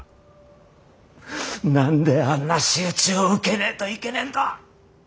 何であんな仕打ちを受けねえといけねえんだ。